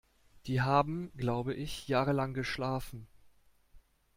Die haben, glaube ich, jahrelang geschlafen.